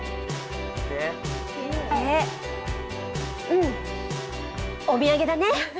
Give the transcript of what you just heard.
うん、お土産だね。